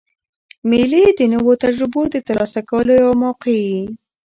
مېلې د نوو تجربو د ترلاسه کولو یوه موقع يي.